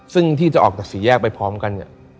ซึ่งที่จะออกจากสี่แยกไปพร้อมกันเนี่ย